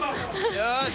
よし！